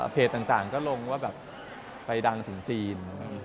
ต่างก็ลงว่าแบบไปดังถึงจีน